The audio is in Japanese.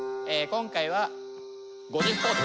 今回は５０ほぉ。